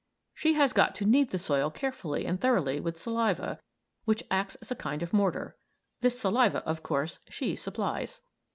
She has got to knead the soil carefully and thoroughly with saliva, which acts as a kind of mortar. This saliva, of course, she supplies.